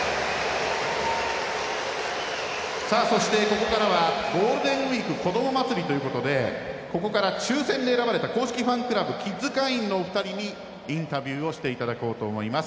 そして、ここからはゴールデンウイークこどもまつりということでここから抽選で選ばれた公式ファンクラブキッズ会員のお二人にインタビューをしていただこうと思います。